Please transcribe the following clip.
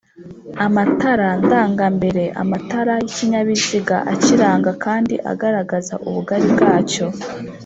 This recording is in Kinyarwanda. Amatara ndangambereAmatara y’ikinyabiziga akiranga kandi agaragaza ubugari bwacyo